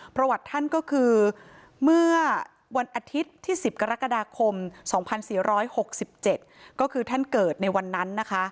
ประวัติท่านก็คือเมื่อวันอาทิตย์ที่๑๐กรกฎาคม๒๔๖๗ก็คือท่านเกิดในวันนั้นนะคะ